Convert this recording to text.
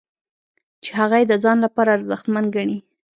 چې هغه یې د ځان لپاره ارزښتمن ګڼي.